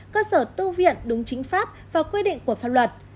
cơ sở tu viện đúng chính pháp và quy định của pháp luật